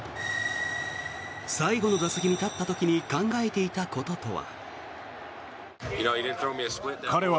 最後の打席に立った時に考えていたこととは。